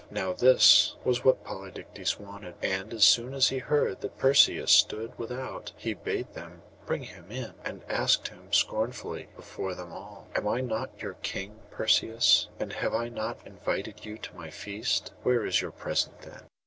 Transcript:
Now this was what Polydectes wanted; and as soon as he heard that Perseus stood without, he bade them bring him in, and asked him scornfully before them all, 'Am I not your king, Perseus, and have I not invited you to my feast? Where is your present, then?